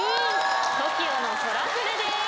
ＴＯＫＩＯの『宙船』です。